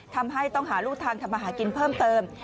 ทำให้ต้องหาลูกทางทำมาหากินเพิ่มเติม